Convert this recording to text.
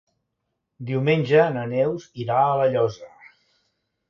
Diumenge na Neus irà a La Llosa.